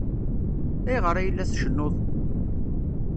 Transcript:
Ayɣer ay la tcennuḍ?